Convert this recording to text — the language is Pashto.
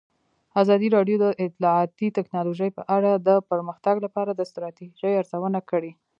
ازادي راډیو د اطلاعاتی تکنالوژي په اړه د پرمختګ لپاره د ستراتیژۍ ارزونه کړې.